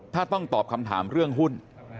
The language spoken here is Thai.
ถ้าต้องตอบคำถามเรื่องหุ้น